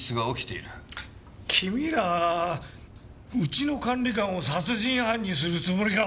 君らうちの管理官を殺人犯にするつもりか？